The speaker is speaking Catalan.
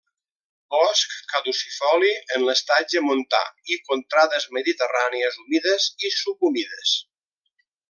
Bosc caducifoli en l'estatge montà i contrades mediterrànies humides i subhumides.